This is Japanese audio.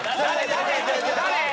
誰？